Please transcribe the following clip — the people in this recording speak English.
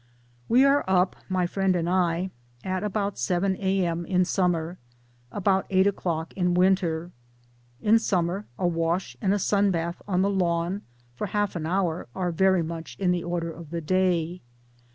,We are up my friend and I at about 7 a.m. in summer, about 8.0 in winter. In summer a wash and a sunbath on the lawn, for half an hour, are very much in the order of the day.